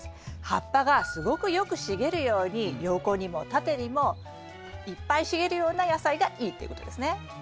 葉っぱがすごくよく茂るように横にも縦にもいっぱい茂るような野菜がいいっていうことですね。